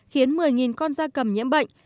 khiến một mươi con gia cầm nhiễm bệnh